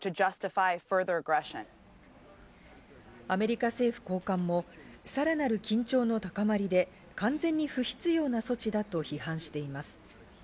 アメリカ政府高官もさらなる緊張の高まりで完全に不必要な措置だと批判しています。